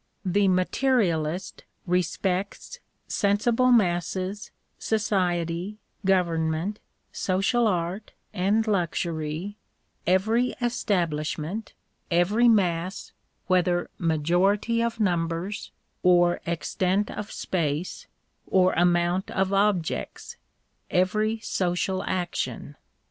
The materialist respects sensible masses, society, government, social artj and luxury, every establishment, every EMERSON'S WRITINGS 157 mass, whether majority of numbers, or extent of space, or amount of objects, every social action.